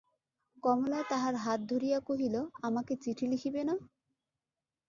কমলা তাহার হাত ধরিয়া কহিল, আমাকে চিঠি লিখিবে না?